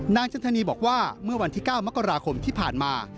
จันทนีบอกว่าเมื่อวันที่๙มกราคมที่ผ่านมา